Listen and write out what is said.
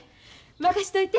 任しといて。